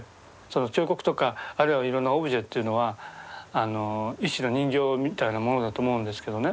彫刻とかあるいはいろんなオブジェというのは一種の人形みたいなものだと思うんですけどね。